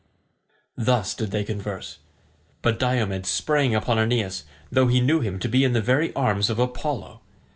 Thus did they converse. But Diomed sprang upon Aeneas, though he knew him to be in the very arms of Apollo.